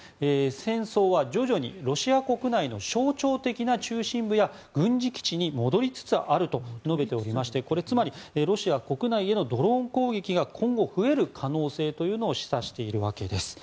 戦争は徐々にロシア国内の象徴的な中心部や軍事基地に戻りつつあると述べておりましてこれ、つまりロシア国内へのドローン攻撃が今後、増える可能性というのを示唆しているわけです。